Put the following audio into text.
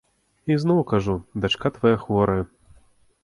І зноў кажу, дачка твая хворая.